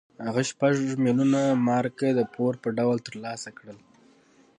هغه شپږ میلیونه مارکه د پور په ډول ترلاسه کړل.